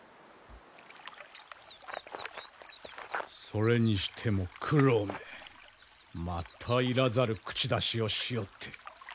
それにしても九郎めまたいらざる口出しをしおって。